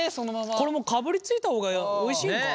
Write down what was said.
これかぶりついた方がおいしいのかな。